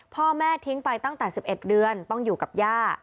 พ่อแม่ทิ้งไปตั้งแต่๑๑เดือนต้องอยู่กับย่า